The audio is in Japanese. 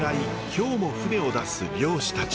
今日も船を出す漁師たち。